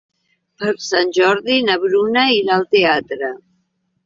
Per Sant Jordi na Bruna irà al teatre.